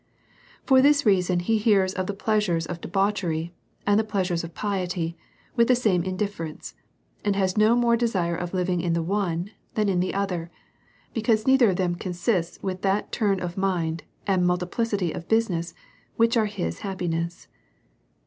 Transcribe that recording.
For this reason, he hears of the pleasures of de bauchery and the pleasures of piety with the same in difference, and has no more desire of living in the one than in the other, because neither of them consist with that turn of mind and multiplicity of business which are his happiness.